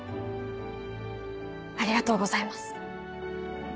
ありがとうございます。